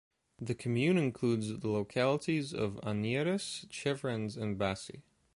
The commune includes the localities of Anières, Chevrens and Bassy.